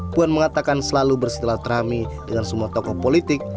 puan mengatakan selalu bersilat rami dengan semua tokoh politik